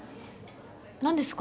何ですか？